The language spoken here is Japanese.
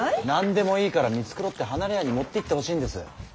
何でもいいから見繕って離れ屋に持っていってほしいんです。